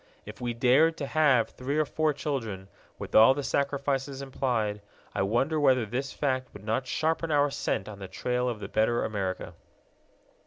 If we dared to have three or four children, with all the sacrifices implied, I wonder whether this fact would not sharpen our scent on the trail of the better America.